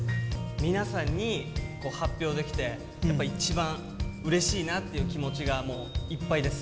皆さんに発表できて、やっぱり一番うれしいなっていう気持ちがもういっぱいです。